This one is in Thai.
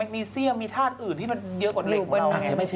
ก็มีทาสอื่นที่มันเยอะกว่าเม็ดบะงง